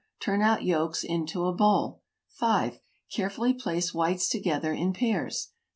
Turn out yolks into a bowl. 5. Carefully place whites together in pairs.